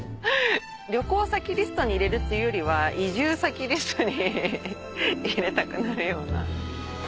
旅行先リストに入れるっていうよりは移住先リストに入れたくなるような。